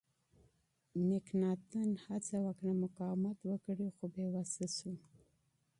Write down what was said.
مکناتن هڅه وکړه مقاومت وکړي خو بې وسه شو.